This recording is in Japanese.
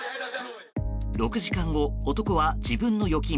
６時間後、男は自分の預金